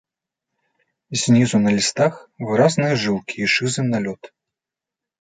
Знізу на лістах выразныя жылкі і шызы налёт.